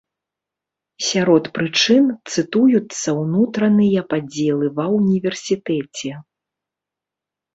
Сярод прычын цытуюцца ўнутраныя падзелы ва ўніверсітэце.